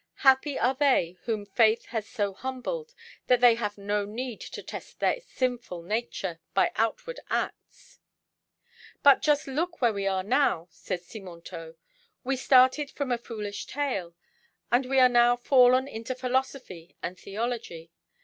Happy are they whom faith has so humbled that they have no need to test their sinful nature by outward acts." "But just look where we are now," said Simontault. "We started from a foolish tale, and we are now fallen into philosophy and theology.